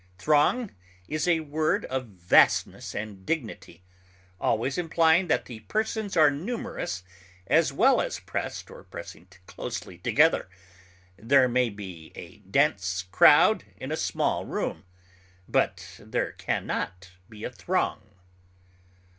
Throng is a word of vastness and dignity, always implying that the persons are numerous as well as pressed or pressing closely together; there may be a dense crowd in a small room, but there can not be a throng.